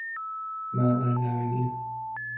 Va a la Av.